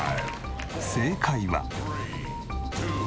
正解は。